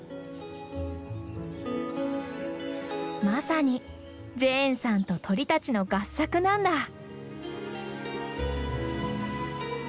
まさにジェーンさんと鳥たちの合作なんだ。